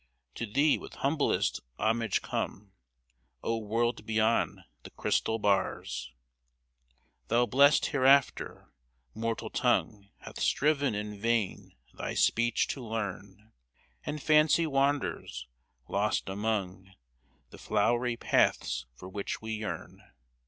To thee with humblest homage come, O world beyond the crystal bars' ! Thou blest Hereafter ! Mortal tongue Hath striven in vain thy speech to learn, And Fancy wanders, lost among The flowery paths for which we yearn.